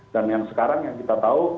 dan yang sekarang yang kita tahu